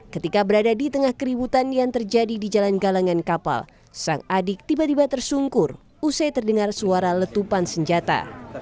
ketika berada di tengah keributan yang terjadi di jalan galangan kapal sang adik tiba tiba tersungkur usai terdengar suara letupan senjata